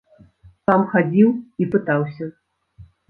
Сам хадзіў і пытаўся.